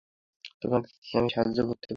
তোমাকে কি আমি সাহায্য করতে পারি, মাই ডিয়ার?